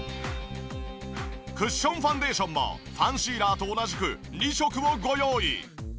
クッションファンデーションもファンシーラーと同じく２色をご用意。